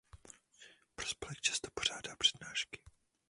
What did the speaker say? Pro spolek často pořádá přednášky.